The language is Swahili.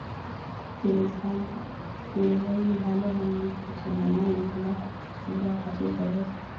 kilizaji bado wananchi wa tanzania wanaendelea kuvuta subra wakati zoezi